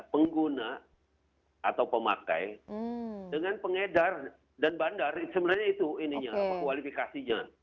pengguna atau pemakai dengan pengedar dan bandar sebenarnya itu ininya apa kualifikasinya